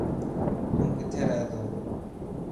تو ڪٿي رهي ٿو.